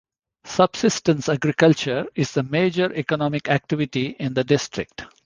Subsistence agriculture is the major economic activity in the district.